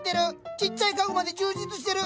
ちっちゃい家具まで充実してる！